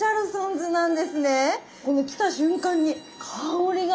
この来た瞬間に香りが。